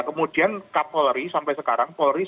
kemudian kapolri sampai sekarang